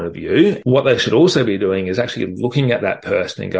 hanya karena seseorang terlihat seperti mereka